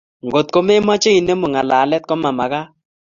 Ngot ko memache inemu ngalalet ko mamakat